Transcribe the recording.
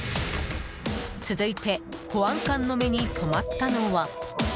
続いて、保安官の目に留まったのは。